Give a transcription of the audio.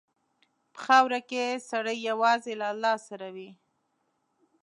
په خاوره کې سړی یوازې له الله سره وي.